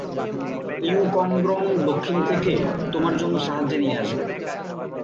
You কংগ্রং দক্ষিণ থেকে তোমার জন্য সাহায্যে নিয়ে আসবে।